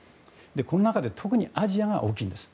この中で特にアジアが大きいんです。